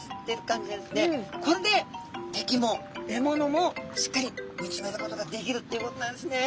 これで敵も獲物もしっかり見つめることができるっていうことなんですね。